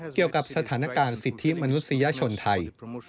เกี่ยวกับสถานการณ์สิทธิมนุษยชนไทย